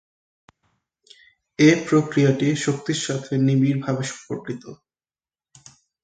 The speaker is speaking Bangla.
এ প্রক্রিয়াটি শক্তির সাথে নিবিড়ভাবে সম্পর্কিত।